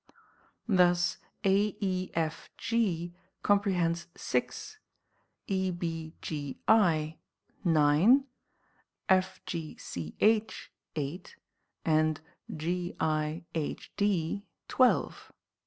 Thus A Ε F G comprehends six, Ε Β G I nine, F G C II eight, and G I Η D twelve.